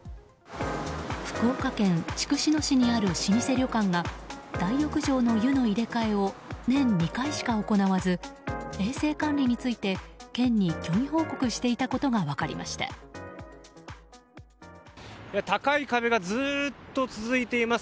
福岡県筑紫野市にある老舗旅館が大浴場の湯の入れ替えを年２回しか行わず衛生管理について県に虚偽報告していたことが高い壁がずっと続いています。